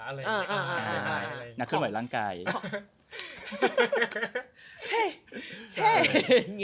แมซาดองนักเคลื่อนไหวร้างไกร